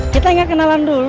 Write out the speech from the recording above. kita ingat kenalan dulu